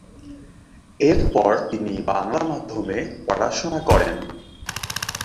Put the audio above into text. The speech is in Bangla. এরপর তিনি বাংলা মাধ্যমে পড়াশোনা করেন।